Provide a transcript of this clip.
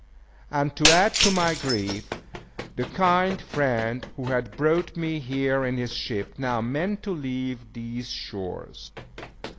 And to add to my grief, the kind friend, who had brought me here in his ship, now meant to leave these shores.